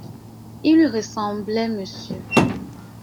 Il lui ressemblait, monsieur!